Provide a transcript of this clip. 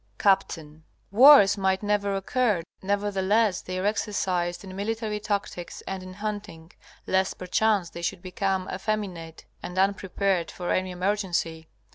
Capt. Wars might never occur, nevertheless they are exercised in military tactics and in hunting, lest perchance they should become effeminate and unprepared for any emergency.